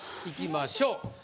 いきましょう。